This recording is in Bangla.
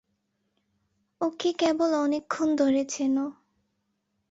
ওকে কেবল অল্পক্ষণ ধরে চেনো।